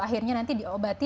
akhirnya nanti diobati